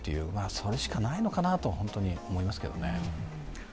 それしかないのかなと本当に思いますけどね。